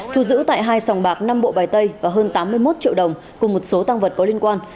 thu giữ tại hai sòng bạc năm bộ bài tay và hơn tám mươi một triệu đồng cùng một số tăng vật có liên quan